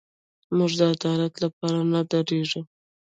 موږ د عدالت لپاره نه درېږو.